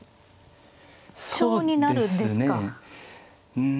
うん